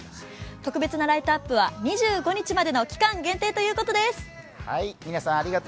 特別なライトアップは２５日までの期間限定ということです。